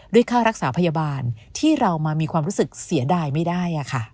ค่ารักษาพยาบาลที่เรามามีความรู้สึกเสียดายไม่ได้